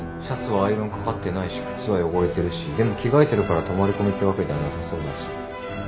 シャツはアイロンかかってないし靴は汚れてるしでも着替えてるから泊まり込みってわけではなさそうだし。